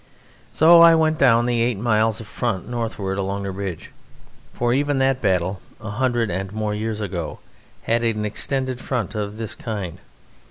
So I went down the eight miles of front northward along the ridge; for even that battle, a hundred and more years ago, had an extended front of this kind.